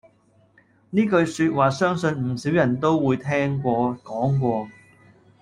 呢句說話相信唔少人都會聽過講過